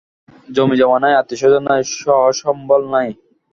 জমিজমা নাই, আত্মীয়স্বজন নাই, সহায়-সম্বল নাই।